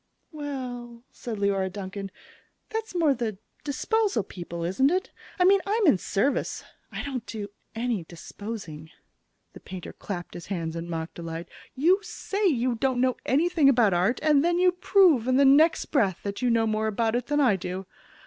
"Well," said Leora Duncan, "that's more the disposal people, isn't it? I mean, I'm in service. I don't do any disposing." The painter clapped his hands in mock delight. "You say you don't know anything about art, and then you prove in the next breath that you know more about it than I do!